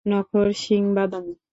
নখর শিং-বাদামি।